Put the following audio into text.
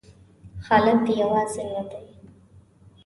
خالد یوازې نه دی.